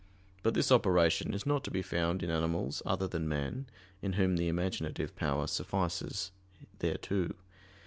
But this operation is not to be found in animals other than man, in whom the imaginative power suffices thereto.